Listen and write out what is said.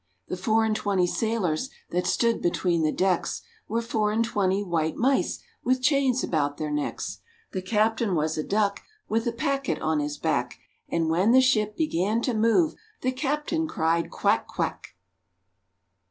The four and twenty sailors That stood between the decks, Were four and twenty white mice, With chains about their necks. The captain was a duck, With a packet on his back; And when the ship began to move, The captain cried, "Quack, quack!"